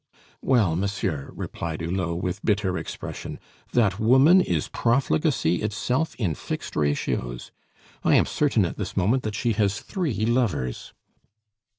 "Well, monsieur," replied Hulot with bitter expression, "that woman is profligacy itself in fixed ratios. I am certain at this moment that she has three lovers."